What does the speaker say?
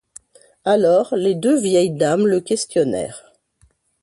Alors, les deux vieilles dames le questionnèrent.